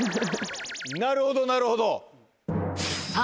なるほどなるほど。